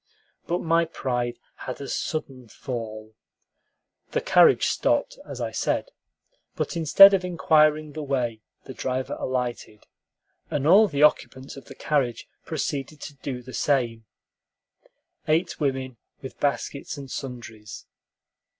But my pride had a sudden fall. The carriage stopped, as I said; but instead of inquiring the way, the driver alighted, and all the occupants of the carriage proceeded to do the same, eight women, with baskets and sundries.